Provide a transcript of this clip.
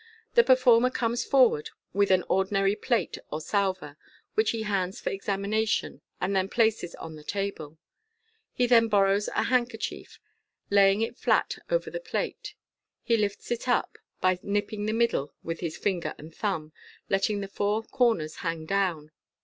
The performer comes forward with an ordinary plate or salver, which he hands for examination, and then places on the table. He next borrows a handkerchief. Laying it flat over the plate, he lifts it up by nipping the middle with his finger and thumb, letting the four corners hang down.